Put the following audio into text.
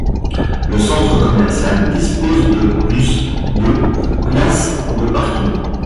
Le centre commercial dispose de plus de places de parking.